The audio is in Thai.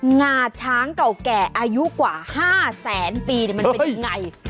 งาช้างเก่าแก่อายุกว่า๕แสนปีมันเป็นยังไง